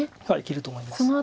はい切ると思います。